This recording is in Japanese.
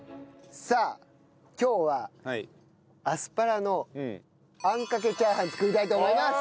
さあ今日はアスパラの餡かけチャーハン作りたいと思います！